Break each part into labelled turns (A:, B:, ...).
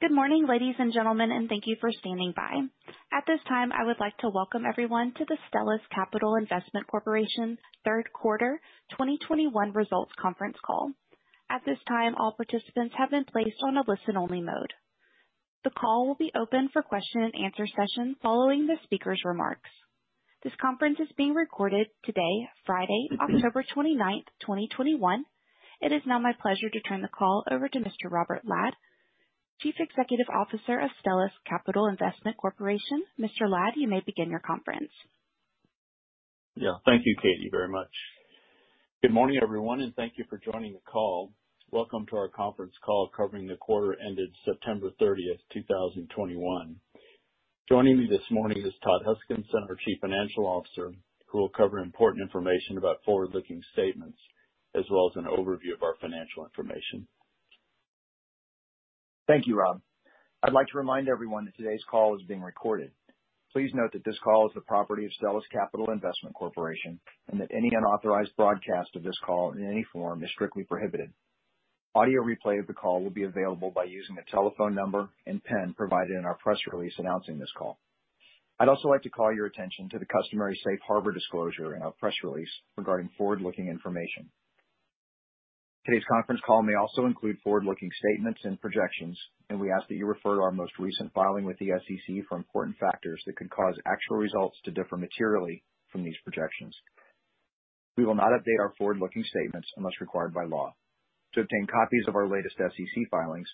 A: Good morning, ladies and gentlemen, and thank you for standing by. At this time, I would like to welcome everyone to the Stellus Capital Investment Corporation Q3 2021 results conference call. At this time, all participants have been placed on a listen-only mode. The call will be open for question-and-answer session following the speaker's remarks. This conference is being recorded today, Friday, October 29, 2021. It is now my pleasure to turn the call over to Mr. Robert Ladd, Chief Executive Officer of Stellus Capital Investment Corporation. Mr. Ladd, you may begin your conference.
B: Yeah. Thank you, Katie, very much. Good morning, everyone, and thank you for joining the call. Welcome to our conference call covering the quarter ended September 30th, 2021. Joining me this morning is Todd Huskinson, Our Chief Financial Officer, who will cover important information about forward-looking statements as well as an overview of our financial information.
C: Thank you, Rob. I'd like to remind everyone that today's call is being recorded. Please note that this call is the property of Stellus Capital Investment Corporation, and that any unauthorized broadcast of this call in any form is strictly prohibited. Audio replay of the call will be available by using the telephone number and pin provided in our press release announcing this call. I'd also like to call your attention to the customary safe harbor disclosure in our press release regarding forward-looking information. Today's conference call may also include forward-looking statements and projections, and we ask that you refer to our most recent filing with the SEC for important factors that could cause actual results to differ materially from these projections. We will not update our forward-looking statements unless required by law. To obtain copies of our latest SEC filings,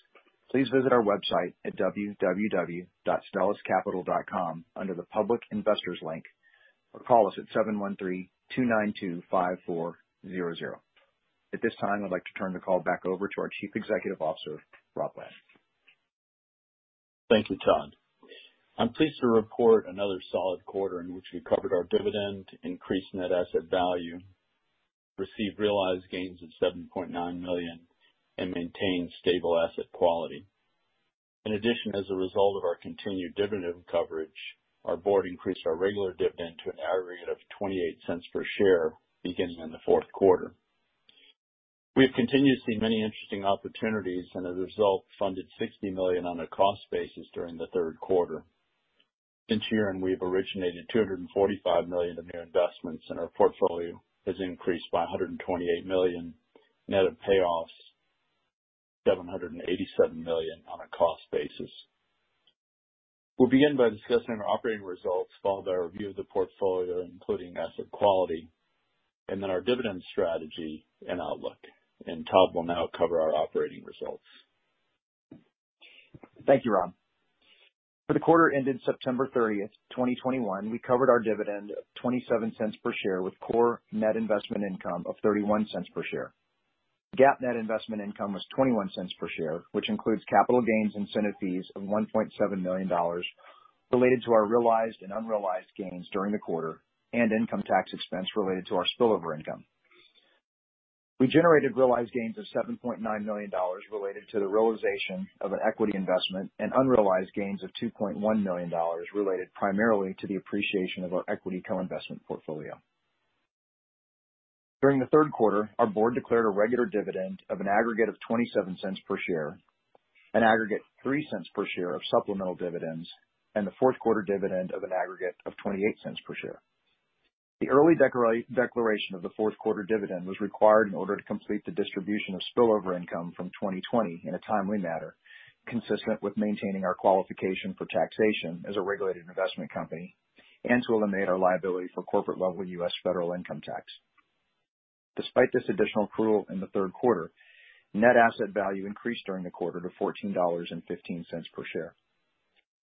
C: please visit our website at www.stelluscapital.com under the Public Investors link, or call us at 713-292-5400. At this time, I'd like to turn the call back over to Our Chief Executive Officer, Rob Ladd.
B: Thank you, Todd. I'm pleased to report another solid quarter in which we covered our dividend, increased net asset value, received realized gains of $7.9 million, and maintained stable asset quality. In addition, as a result of our continued dividend coverage, our board increased our regular dividend to an aggregate of $0.28 per share beginning in the Q4. We have continued to see many interesting opportunities and as a result, funded $60 million on a cost basis during the Q3. Since year-end, we have originated $245 million of new investments, and our portfolio has increased by $128 million net of payoffs, $787 million on a cost basis. We'll begin by discussing our operating results, followed by a review of the portfolio, including asset quality, and then our dividend strategy and outlook. Todd will now cover our operating results.
C: Thank you, Rob. For the quarter ended September 30, 2021, we covered our dividend of $0.27 per share with core net investment income of $0.31 per share. GAAP net investment income was $0.21 per share, which includes capital gains incentive fees of $1.7 million related to our realized and unrealized gains during the quarter and income tax expense related to our spillover income. We generated realized gains of $7.9 million related to the realization of an equity investment and unrealized gains of $2.1 million related primarily to the appreciation of our equity co-investment portfolio. During the Q3, our board declared a regular dividend of an aggregate of $0.27 per share, an aggregate $0.03 per share of supplemental dividends, and the Q4 dividend of an aggregate of $0.28 per share. The early declaration of the Q4 dividend was required in order to complete the distribution of spillover income from 2020 in a timely manner, consistent with maintaining our qualification for taxation as a regulated investment company and to eliminate our liability for corporate-level U.S. federal income tax. Despite this additional accrual in the Q3, net asset value increased during the quarter to $14.15 per share.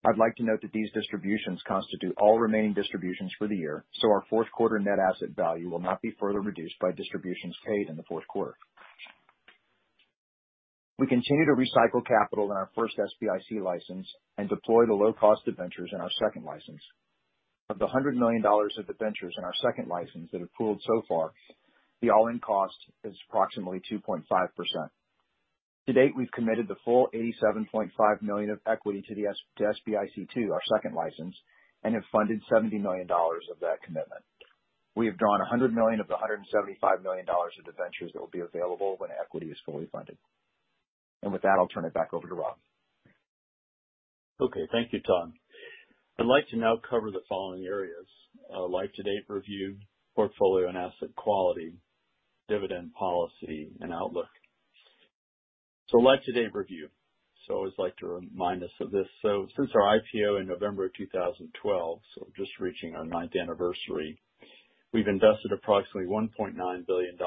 C: I'd like to note that these distributions constitute all remaining distributions for the year, so our Q4 net asset value will not be further reduced by distributions paid in the Q4. We continue to recycle capital in our first SBIC license and deploy the low-cost debentures in our second license. Of the $100 million of debentures in our second license that have pooled so far, the all-in cost is approximately 2.5%. To date, we've committed the full $87.5 million of equity to the SBIC II, our second license, and have funded $70 million of that commitment. We have drawn $100 million of the $175 million of debentures that will be available when equity is fully funded. With that, I'll turn it back over to Rob.
B: Okay. Thank you, Todd. I'd like to now cover the following areas: YTD review, portfolio and asset quality, dividend policy, and outlook. YTD review. I always like to remind us of this. Since our IPO in November 2012, just reaching our ninth anniversary, we've invested approximately $1.9 billion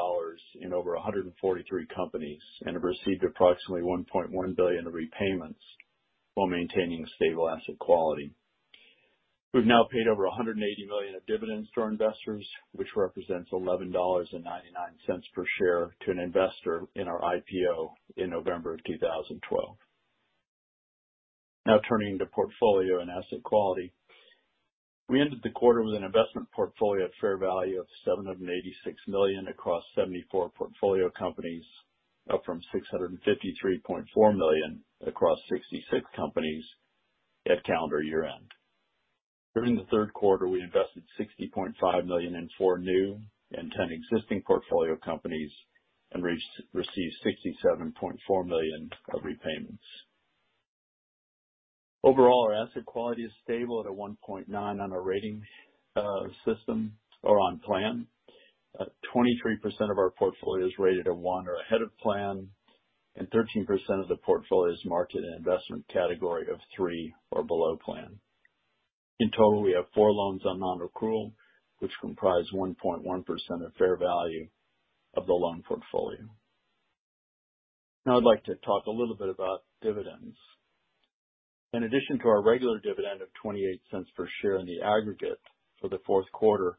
B: in over 143 companies and have received approximately $1.1 billion in repayments while maintaining stable asset quality. We've now paid over $180 million of dividends to our investors, which represents $11.99 per share to an investor in our IPO in November 2012. Now turning to portfolio and asset quality. We ended the quarter with an investment portfolio at fair value of $786 million across 74 portfolio companies, up from $653.4 million across 66 companies at calendar year-end. During the Q3, we invested $60.5 million in four new and 10 existing portfolio companies and received $67.4 million of repayments. Overall, our asset quality is stable at a 1.9 on our rating system or on plan. 23% of our portfolio is rated a one or ahead of plan, and 13% of the portfolio is marked in an investment category of three or below plan. In total, we have four loans on non-accrual, which comprise 1.1% of fair value of the loan portfolio. Now I'd like to talk a little bit about dividends. In addition to our regular dividend of $0.28 per share in the aggregate for the Q4,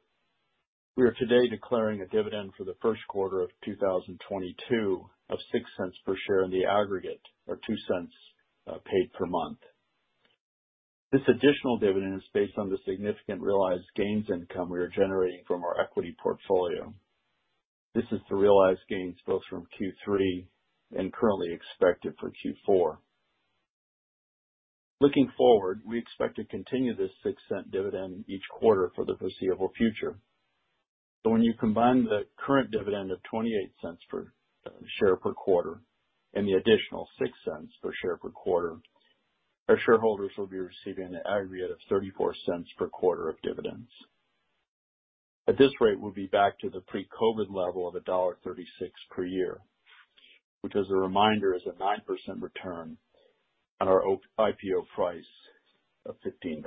B: we are today declaring a dividend for the Q1 of 2022 of $0.06 per share in the aggregate or $0.02 paid per month. This additional dividend is based on the significant realized gains income we are generating from our equity portfolio. This is the realized gains both from Q3 and currently expected for Q4. Looking forward, we expect to continue this $0.06 dividend each quarter for the foreseeable future. When you combine the current dividend of $0.28 per share per quarter and the additional $0.06 per share per quarter, our shareholders will be receiving an aggregate of $0.34 per quarter of dividends. At this rate, we'll be back to the pre-COVID level of $1.36 per year. Which, as a reminder, is a 9% return on our IPO price of $15.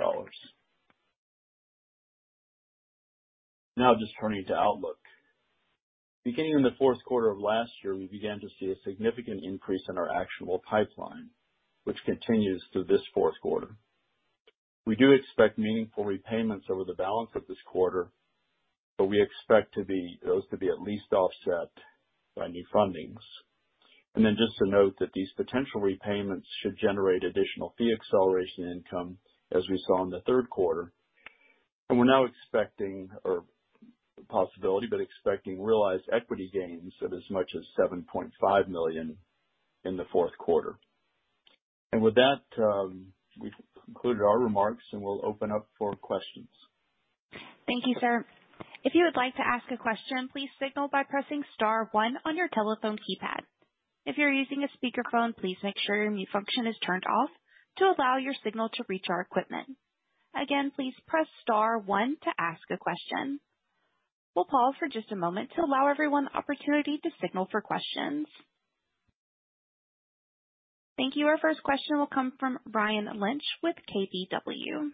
B: Now just turning to outlook. Beginning in the Q4 of last year, we began to see a significant increase in our actionable pipeline, which continues through this Q4. We do expect meaningful repayments over the balance of this quarter, but we expect those to be at least offset by new fundings. Then just to note that these potential repayments should generate additional fee acceleration income, as we saw in the Q3. We're now expecting realized equity gains of as much as $7.5 million in the Q4. With that, we've concluded our remarks, and we'll open up for questions.
A: Thank you, sir. If you would like to ask a question, please signal by pressing star one on your telephone keypad. If you're using a speakerphone, please make sure your mute function is turned off to allow your signal to reach our equipment. Again, please press star one to ask a question. We'll pause for just a moment to allow everyone the opportunity to signal for questions. Thank you. Our first question will come from Ryan Lynch with KBW.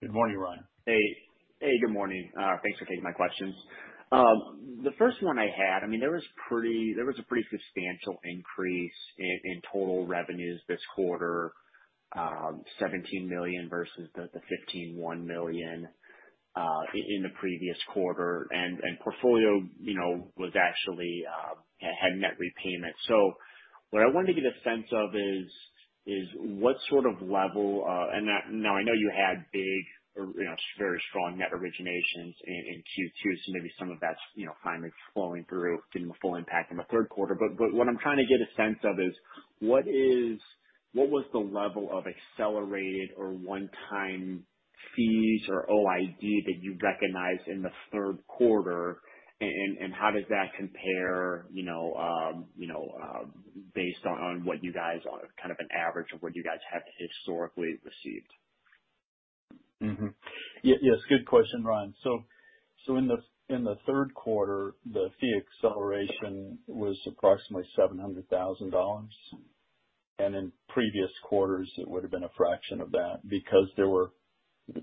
B: Good morning, Ryan.
D: Hey. Hey, good morning. Thanks for taking my questions. The first one I had, I mean, there was a pretty substantial increase in total revenues this quarter, $17 million versus the $15.1 million in the previous quarter. Portfolio, you know, actually had net repayment. What I wanted to get a sense of is what sort of level, and now I know you had very strong net originations in Q2, so maybe some of that's, you know, kind of flowing through, getting the full impact in the Q3. what I'm trying to get a sense of is what was the level of accelerated or one-time fees or OID that you recognized in the Q3 and how does that compare, you know, based on what you guys are, kind of an average of what you guys have historically received?
B: Yes, good question, Ryan. In the Q3, the fee acceleration was approximately $700,000. In previous quarters, it would've been a fraction of that because there were,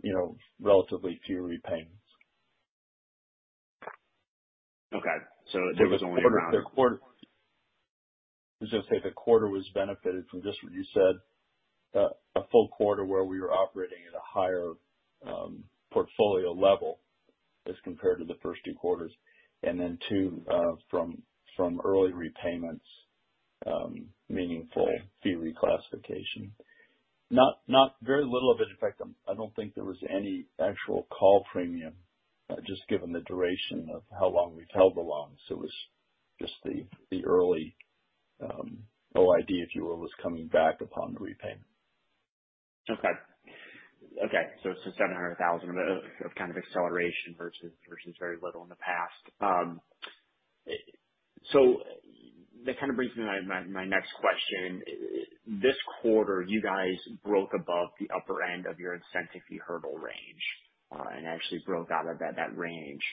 B: you know, relatively few repayments.
D: There was only around.
B: Let's just say the quarter was benefited from just what you said, a full quarter where we were operating at a higher portfolio level as compared to the first two quarters, and then, too, from early repayments, meaningful fee reclassification. Very little of it affected. I don't think there was any actual call premium, just given the duration of how long we've held the loans. It was just the early OID, if you will, was coming back upon the repayment.
D: $700,000 of kind of acceleration versus very little in the past. That kind of brings me to my next question. This quarter, you guys broke above the upper end of your incentive fee hurdle range, and actually broke out of that range.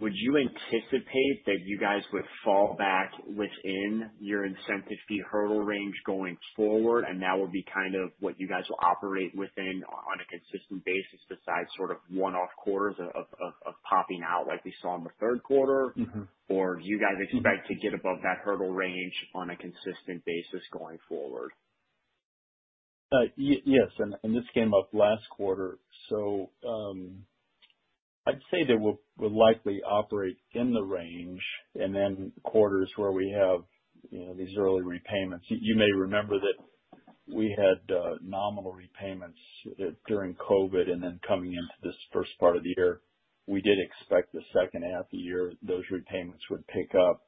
D: Would you anticipate that you guys would fall back within your incentive fee hurdle range going forward, and that would be kind of what you guys will operate within on a consistent basis besides sort of one-off quarters of popping out like we saw in the Q3?
B: Mm-hmm.
D: Do you guys expect to get above that hurdle range on a consistent basis going forward?
B: Yes, this came up last quarter. I'd say that we'll likely operate in the range and then quarters where we have, you know, these early repayments. You may remember that we had nominal repayments during COVID and then coming into this first part of the year. We did expect that in the H2 of the year, those repayments would pick up.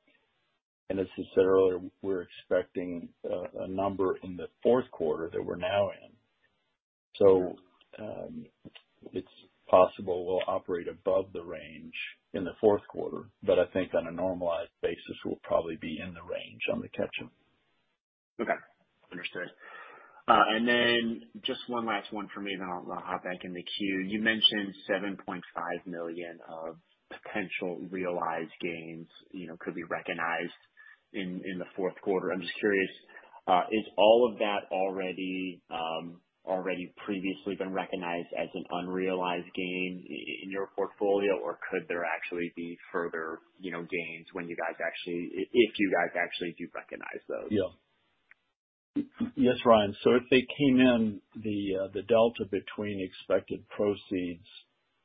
B: As I said earlier, we're expecting a number in the Q4 that we're now in. It's possible we'll operate above the range in the Q4. But I think on a normalized basis, we'll probably be in the range on the catch-up.
D: Okay. Understood. Just one last one for me, then I'll hop back in the queue. You mentioned $7.5 million of potential realized gains, you know, could be recognized in the Q4. I'm just curious, is all of that already previously been recognized as an unrealized gain in your portfolio, or could there actually be further, you know, gains when you guys actually if you guys actually do recognize those?
B: Yes, Ryan. If they came in the delta between expected proceeds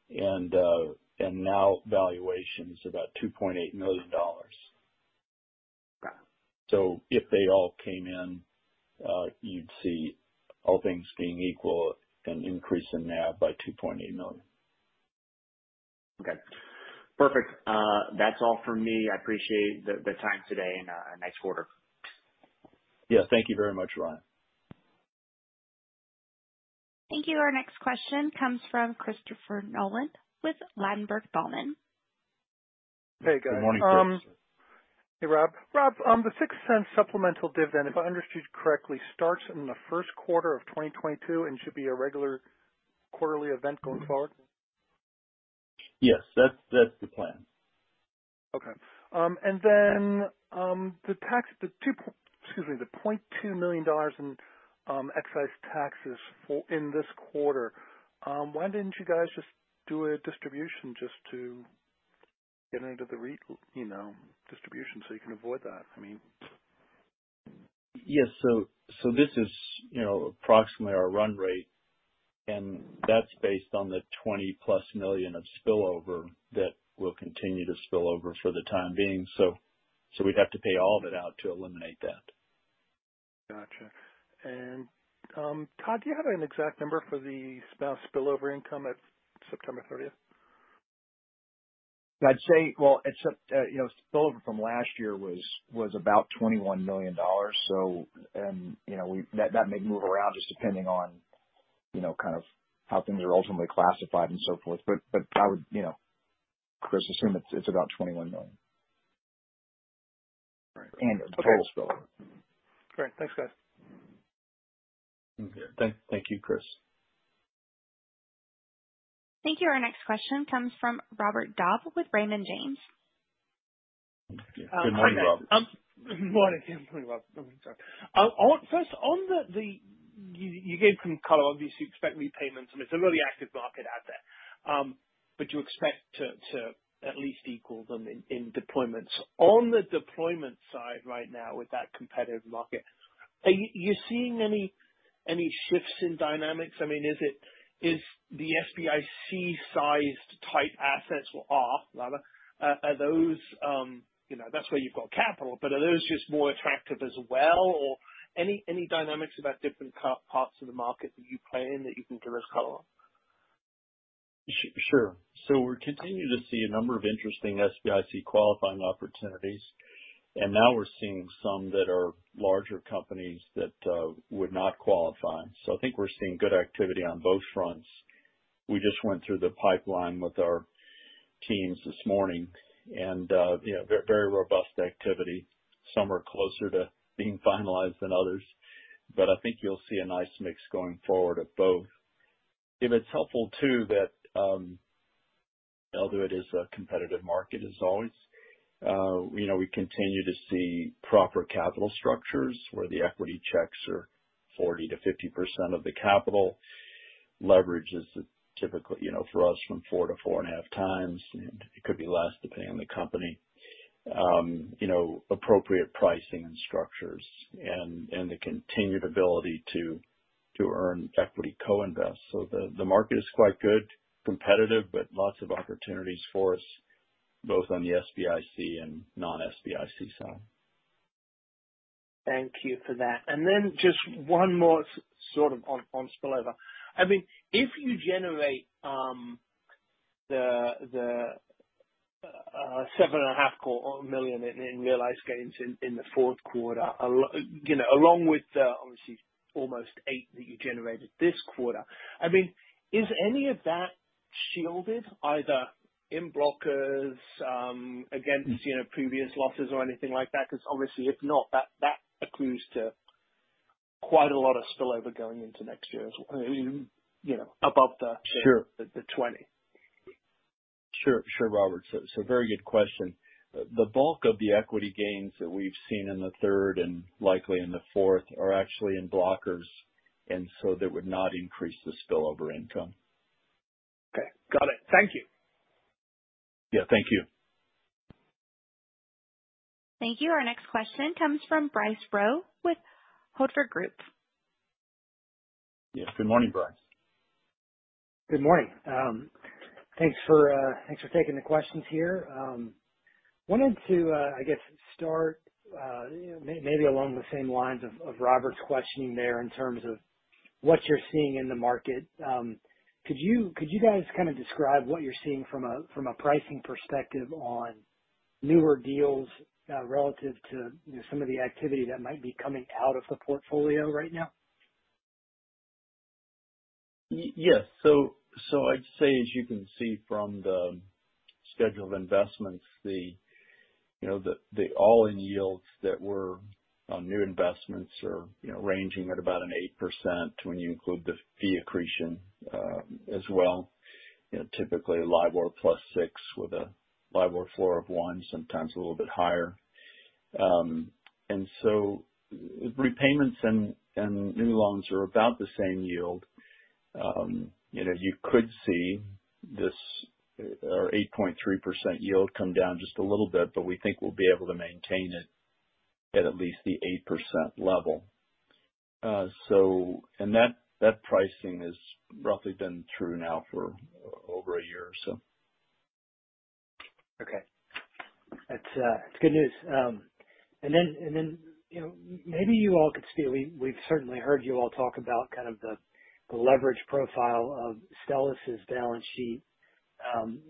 B: and now valuations, about $2.8 million.
D: Got it.
B: If they all came in, you'd see all things being equal, an increase in NAV by $2.8 million.
D: Okay. Perfect. That's all for me. I appreciate the time today and nice quarter.
B: Yeah. Thank you very much, Ryan.
A: Thank you. Our next question comes from Christopher Nolan with Ladenburg Thalmann.
E: Hey, guys.
B: Good morning, Chris.
E: Hey, Rob. Rob, the $0.06 supplemental dividend, if I understood correctly, starts in the Q1 of 2022 and should be a regular quarterly event going forward?
B: Yes, that's the plan.
E: The $0.2 million in excise taxes for this quarter. Why didn't you guys just do a distribution just to get into the RIC, you know, distribution so you can avoid that? I mean.
B: Yes. This is, you know, approximately our run rate, and that's based on the $20+ million of spillover that will continue to spill over for the time being. We'd have to pay all of it out to eliminate that.
E: Gotcha. Todd, do you have an exact number for the spillover income at September 30th?
C: I'd say, well, except you know, spillover from last year was about $21 million. That may move around just depending on you know, kind of how things are ultimately classified and so forth. I would you know, Chris, assume it's about $21 million.
E: All right.
C: Total spillover.
E: Great. Thanks, guys.
B: Okay. Thank you, Chris.
A: Thank you. Our next question comes from Robert Dodd with Raymond James.
B: Good morning, Robert.
F: Morning. Yeah, morning, Rob. Sorry. First, you gave some color, obviously expect repayments, and it's a really active market out there. But you expect to at least equal them in deployments. On the deployment side right now with that competitive market, are you seeing any shifts in dynamics? I mean, is it the SBIC sized type assets or, rather, are those you know. That's where you've got capital, but are those just more attractive as well? Or any dynamics about different parts of the market that you play in that you can give us color on?
B: Sure. We continue to see a number of interesting SBIC qualifying opportunities. Now we're seeing some that are larger companies that would not qualify. I think we're seeing good activity on both fronts. We just went through the pipeline with our teams this morning and you know, very robust activity. Some are closer to being finalized than others. I think you'll see a nice mix going forward of both. If it's helpful too, that although it is a competitive market as always, you know, we continue to see proper capital structures where the equity checks are 40%-50% of the capital. Leverage is typically, you know, for us from 4x-4.5x. It could be less depending on the company. You know, appropriate pricing and structures and the continued ability to earn equity co-invest. The market is quite good. Competitive, but lots of opportunities for us both on the SBIC and non-SBIC side.
F: Thank you for that. Just one more sort of on spillover. I mean, if you generate the $7.5 million in realized gains in the Q4, you know, along with obviously almost $8 that you generated this quarter, I mean, is any of that shielded either in blockers against, you know, previous losses or anything like that? Because obviously if not, that accrues to quite a lot of spillover going into next year as, you know, above the-
B: Sure.
F: the 20.
B: Sure, Robert. Very good question. The bulk of the equity gains that we've seen in the third and likely in the fourth are actually in blockers, and so they would not increase the spillover income.
F: Okay. Got it. Thank you.
B: Yeah. Thank you.
A: Thank you. Our next question comes from Bryce Rowe with Hovde Group.
B: Yes. Good morning, Bryce.
G: Good morning. Thanks for taking the questions here. Wanted to, I guess, start maybe along the same lines of Robert's questioning there in terms of what you're seeing in the market. Could you guys kind of describe what you're seeing from a pricing perspective on newer deals relative to, you know, some of the activity that might be coming out of the portfolio right now?
B: Yes. I'd say as you can see from the scheduled investments, all-in yields that were on new investments are, you know, ranging at about 8% when you include the fee accretion, as well. You know, typically LIBOR plus six with a LIBOR floor of one, sometimes a little bit higher. Repayments and new loans are about the same yield. You know, you could see this, our 8.3% yield come down just a little bit, but we think we'll be able to maintain it at least the 8% level. That pricing has roughly been true now for over a year or so.
G: Okay. That's good news. You know, maybe you all could speak. We've certainly heard you all talk about kind of the leverage profile of Stellus's balance sheet,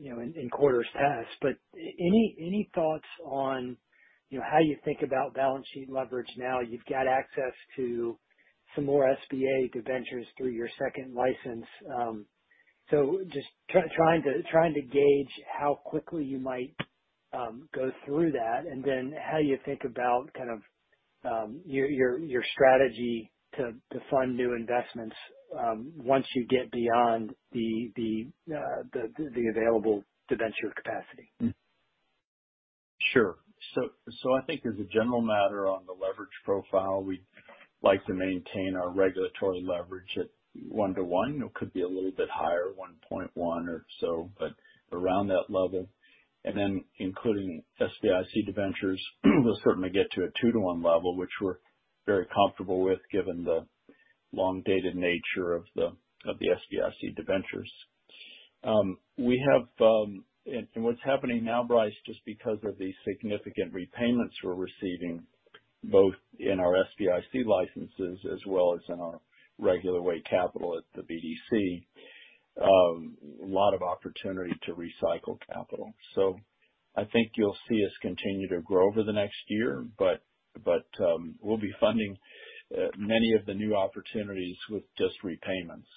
G: you know, in quarters past, but any thoughts on, you know, how you think about balance sheet leverage now? You've got access to some more SBA debentures through your second license. Just trying to gauge how quickly you might go through that, and then how you think about kind of your strategy to fund new investments, once you get beyond the available debenture capacity.
B: Sure. I think as a general matter on the leverage profile, we like to maintain our regulatory leverage at one-to-one. It could be a little bit higher, 1.1 or so, but around that level. Then including SBIC debentures, we'll certainly get to a two-to-one level, which we're very comfortable with given the long-dated nature of the SBIC debentures. What's happening now, Bryce, just because of the significant repayments we're receiving, both in our SBIC licenses as well as in our regular way capital at the BDC, a lot of opportunity to recycle capital. I think you'll see us continue to grow over the next year. We'll be funding many of the new opportunities with just repayments.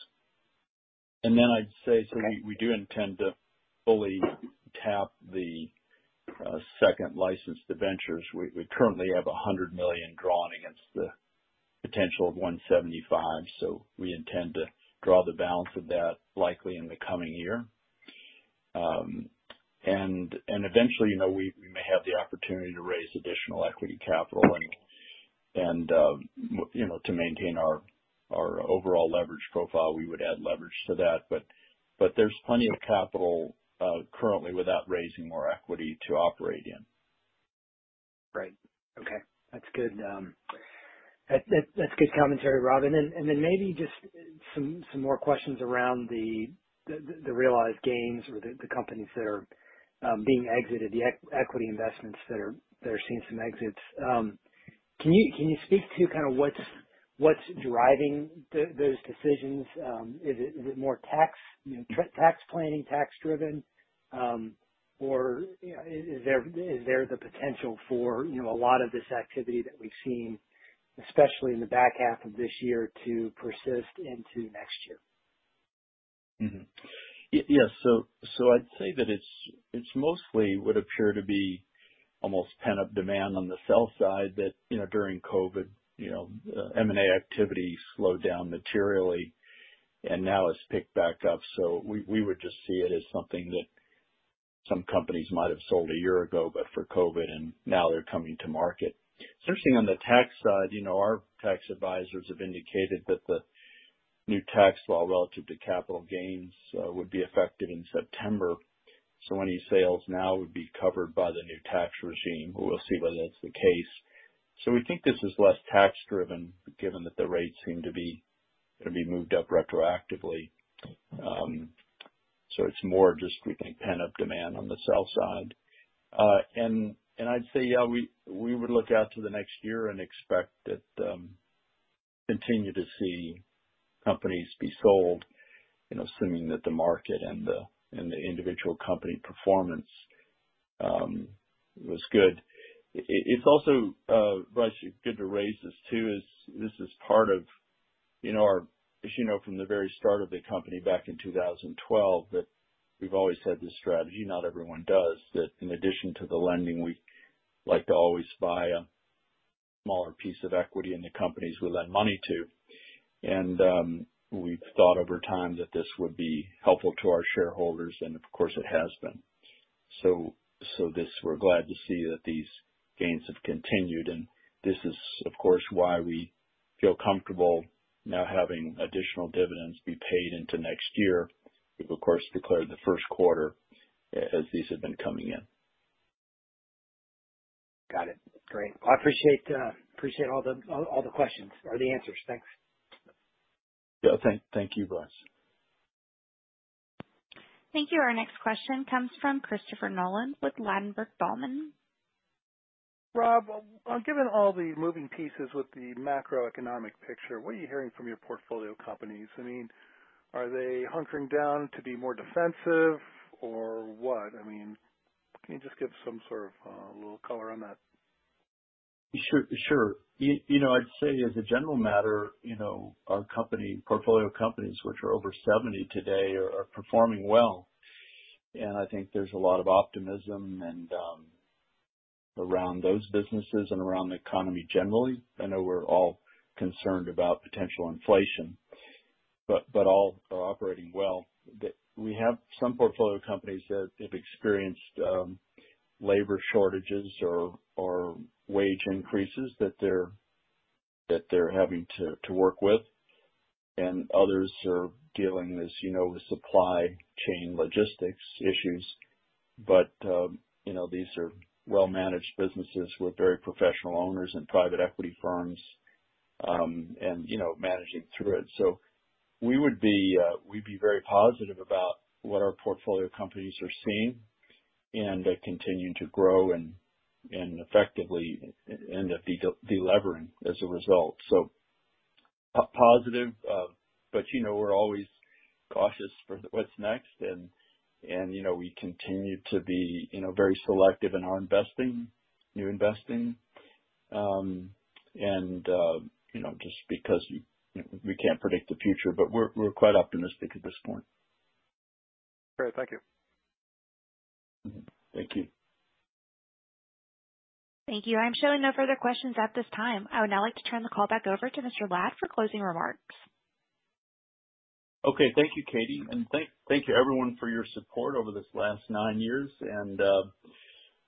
B: I'd say, so we do intend to fully tap the second license debentures. We currently have $100 million drawn against the potential of $175 million, so we intend to draw the balance of that likely in the coming year. Eventually, you know, we may have the opportunity to raise additional equity capital and, you know, to maintain our overall leverage profile, we would add leverage to that. There's plenty of capital currently without raising more equity to operate in.
G: Right. Okay. That's good. That's good commentary, Rob. Then maybe just some more questions around the realized gains or the companies that are being exited, the equity investments that are seeing some exits. Can you speak to kind of what's driving those decisions? Is it more tax, you know, tax planning, tax driven, or, you know, is there the potential for, you know, a lot of this activity that we've seen, especially in the back half of this year, to persist into next year?
B: I'd say that it's mostly what appear to be almost pent-up demand on the sell side that, you know, during COVID, you know, M&A activity slowed down materially and now it's picked back up. We would just see it as something that some companies might have sold a year ago, but for COVID, and now they're coming to market. Especially on the tax side, you know, our tax advisors have indicated that the new tax law relative to capital gains would be effective in September. Any sales now would be covered by the new tax regime. We'll see whether that's the case. We think this is less tax driven, given that the rates seem to be gonna be moved up retroactively. It's more just, we think, pent-up demand on the sell side. I'd say, yeah, we would look out to the next year and expect that continue to see companies be sold, you know, assuming that the market and the individual company performance was good. It's also, Bryce, good to raise this too. This is part of, you know, our, as you know, from the very start of the company back in 2012, that we've always had this strategy, not everyone does, that in addition to the lending, we like to always buy a smaller piece of equity in the companies we lend money to. We've thought over time that this would be helpful to our shareholders. Of course, it has been. This, we're glad to see that these gains have continued. This is, of course, why we feel comfortable now having additional dividends be paid into next year. We've of course declared the Q1 as these have been coming in.
G: Got it. Great. I appreciate all the questions or the answers. Thanks.
B: Yeah. Thank you, Bryce.
A: Thank you. Our next question comes from Christopher Nolan with Ladenburg Thalmann.
E: Rob, given all the moving pieces with the macroeconomic picture, what are you hearing from your portfolio companies? I mean, are they hunkering down to be more defensive or what? I mean, can you just give some sort of little color on that?
B: Sure. You know, I'd say as a general matter, you know, our company's portfolio companies, which are over 70 today, are performing well. I think there's a lot of optimism around those businesses and around the economy generally. I know we're all concerned about potential inflation, but all are operating well. We have some portfolio companies that have experienced labor shortages or wage increases that they're having to work with, and others are dealing with, as you know, the supply chain logistics issues. You know, these are well-managed businesses with very professional owners and private equity firms, and you know, managing through it. We'd be very positive about what our portfolio companies are seeing, and they continue to grow and effectively end up delevering as a result. Positive, but you know, we're always cautious for what's next. You know, we continue to be you know, very selective in our investing, new investing, and you know, just because we can't predict the future. We're quite optimistic at this point.
E: Great. Thank you.
B: Thank you.
A: Thank you. I'm showing no further questions at this time. I would now like to turn the call back over to Mr. Ladd for closing remarks.
B: Okay. Thank you, Katie, and thank you everyone for your support over this last nine years.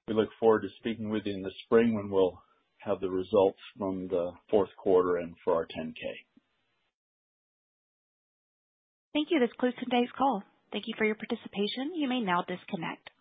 B: We look forward to speaking with you in the spring when we'll have the results from the Q4 and for our 10-K.
A: Thank you. This concludes today's call. Thank you for your participation. You may now disconnect.